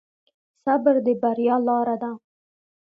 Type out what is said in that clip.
صبر د بریا لاره ده.